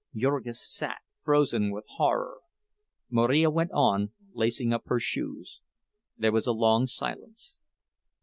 Jurgis sat, frozen with horror. Marija went on lacing up her shoes. There was a long silence.